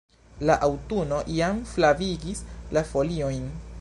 La aŭtuno jam flavigis la foliojn.